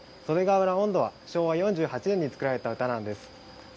袖ケ浦音頭は昭和４８年に作られた歌なんです。